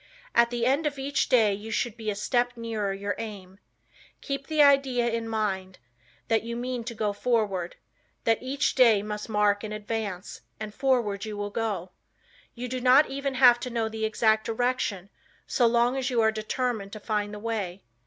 At the end of each day you should be a step nearer your aim. Keep the idea in mind, that you mean to go forward, that each day must mark an advance and forward you will go. You do not even have to know the exact direction so long as you are determined to find the way.